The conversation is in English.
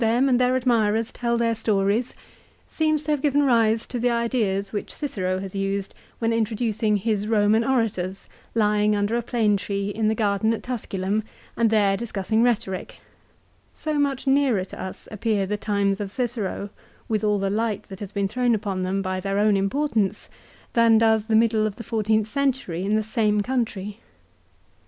313 them and their admirers tell their stories, seems to have given rise to the ideas which Cicero has used when introducing his Roman orators, lying under a plane tree in the garden at Tusculum and there discussing rhetoric ; so much nearer to us appear the times of Cicero, with all the light that has been thrown upon them by their own importance, than does the middle of the fourteenth century in the same country.